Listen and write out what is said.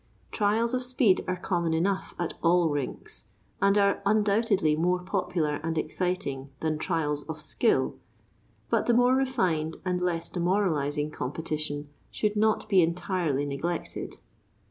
Trials of speed are common enough at all rinks, and are undoubtedly more popular and exciting than trials of skill, but the more refined and less demoralizing competition should not be entirely neglected.